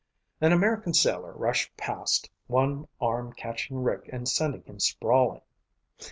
An American sailor rushed past, one arm catching Rick and sending him sprawling.